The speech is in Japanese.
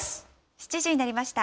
７時になりました。